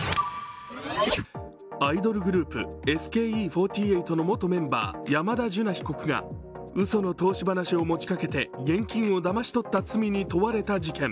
アイドルグループＳＫＥ４８の元メンバー山田樹奈被告がうその投資話を持ちかけて現金をだまし取った罪に問われた事件。